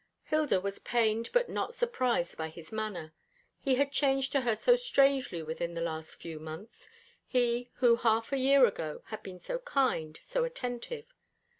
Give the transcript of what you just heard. Hilda was pained but not surprised by his manner. He had changed to her so strangely within the last few months he who half a year ago had been so kind, so attentive.